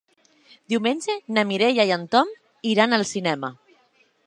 Diumenge na Mireia i en Tom iran al cinema.